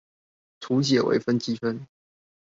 圖解微分積分